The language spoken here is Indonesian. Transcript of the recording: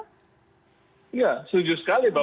iya suju sekali